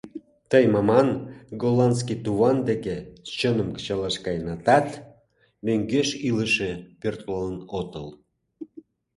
Тый, Маман, голландский туван деке чыным кычалаш каенатат, мӧҥгеш илыше пӧртылын отыл...